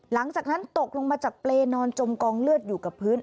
หลังจากนั้นตกลงมาจากเปรย์นอนจมกองเลือดอยู่กับพื้น